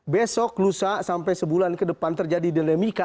besok lusa sampai sebulan ke depan terjadi dinamika